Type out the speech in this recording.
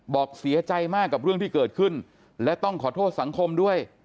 บอกเสียใจมากกับเรื่องที่เกิดขึ้นและต้องขอโทษสังคมด้วย